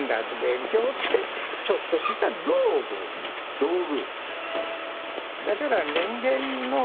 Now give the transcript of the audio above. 「道具」。